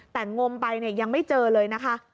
แต่งงมไปยังไม่เจอเลยนะคะ